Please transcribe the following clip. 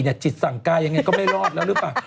แต่ขั้น๔จิตสั่งกายอย่างนี้ก็ไม่รอดแล้วหรือเปล่า